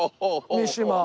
三島。